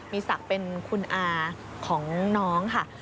มีศักดิ์เป็นคุณอาของน้องค่ะ